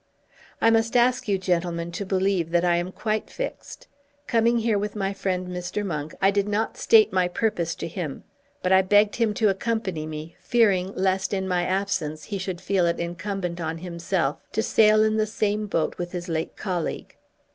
I must ask you, gentlemen, to believe that I am quite fixed. Coming here with my friend Mr. Monk, I did not state my purpose to him; but I begged him to accompany me, fearing lest in my absence he should feel it incumbent on himself to sail in the same boat with his late colleague."